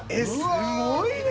すごいね！